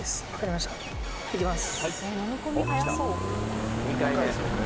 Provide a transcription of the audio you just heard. いきます